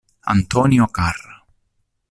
Antonio Carra